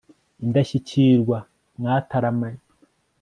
indashyikirwa mwataramanye